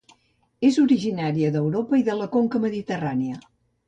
És originària d'Europa i de la conca mediterrània.